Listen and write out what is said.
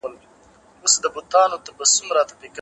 د ښځينه قشر روزني ته ولي توجه پکار ده؟